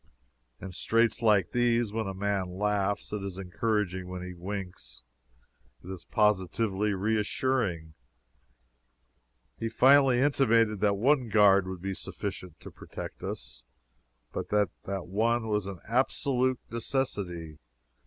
In straits like these, when a man laughs, it is encouraging when he winks, it is positively reassuring. He finally intimated that one guard would be sufficient to protect us, but that that one was an absolute necessity.